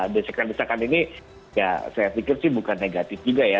desakan desakan ini ya saya pikir sih bukan negatif juga ya